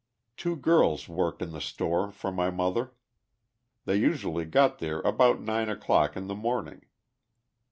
Two girls worked in the store for ray mother. They usually got there about 9 o'clock in the morn ing.